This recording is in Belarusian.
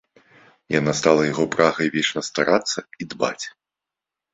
Яна стала яго прагай вечна старацца і дбаць.